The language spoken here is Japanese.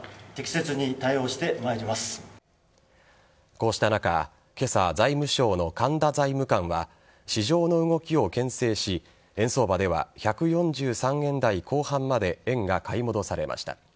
こうした中今朝、財務省の神田財務官は市場の動きをけん制し円相場では１４３円台後半まで円が買い戻されました。